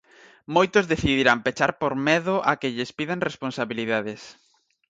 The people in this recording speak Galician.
Moitos decidirán pechar por medo a que lles pidan responsabilidades.